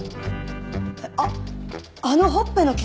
あっあのほっぺの傷！